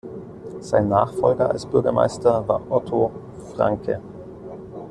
Sein Nachfolger als Bürgermeister war Otto Francke.